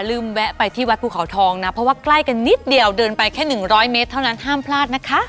แวะไปที่วัดภูเขาทองนะเพราะว่าใกล้กันนิดเดียวเดินไปแค่๑๐๐เมตรเท่านั้นห้ามพลาดนะคะ